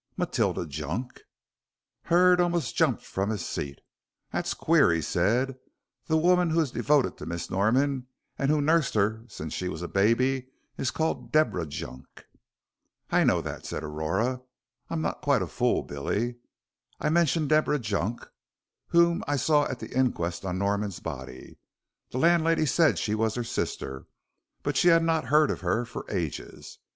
"Matilda Junk." Hurd almost jumped from his seat. "That's queer," he said, "the woman who is devoted to Miss Norman and who nursed her since she was a baby is called Deborah Junk." "I know that," said Aurora, "I'm not quite a fool, Billy. I mentioned Deborah Junk, whom I saw at the inquest on Norman's body. The landlady said she was her sister, but she had not heard of her for ages.